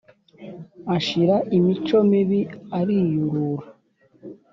Ashira imico mibi ariyurura.